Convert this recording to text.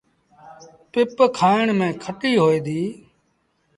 پپ کآڻ ميݩ کٽيٚ هوئي ديٚ۔